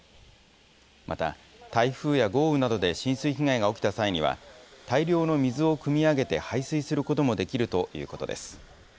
また、台風や豪雨などで浸水被害が起きた際には、大量の水をくみ上げて排水することもできるということです。